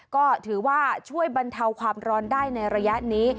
ก็ถือว่าช่วยบรรเทาความร้อนได้ในระยะนี้